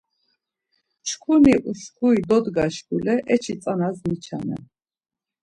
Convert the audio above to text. Çkuni uşkuri dodga şkule eçi tzanas niçanen.